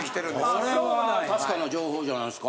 これは確かな情報じゃないですか。